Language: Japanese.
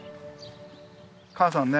母さんね。